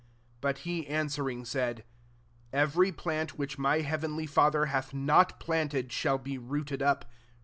13 But he answering said, Ev ery plant which my heavenly Father hath not planted, shau be rooted up.